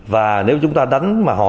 và nếu chúng ta đánh mà họ